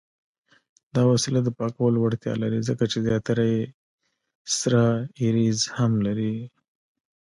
دا وسیله د پاکولو وړتیا لري، ځکه چې زیاتره یې سره ایریزر هم لري.